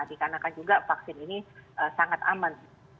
dikarenakan juga vaksin ini sangat aman